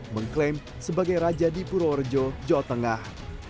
mengklaim sebagai raja di purworejo jawa tengah